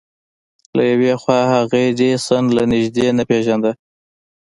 له يوې خوا هغه ايډېسن له نږدې نه پېژانده.